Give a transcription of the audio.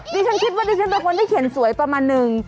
ดิฉันคิดว่าดิฉันเป็นคนที่เขียนสวยประมาณนึง